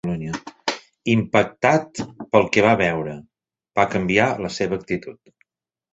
Impactat pel que va veure, va canviar la seva actitud.